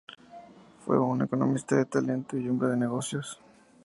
Fue un economista de talento y hombre de negocios.